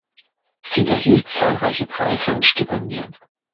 Sie erhielt zahlreiche Preise und Stipendien.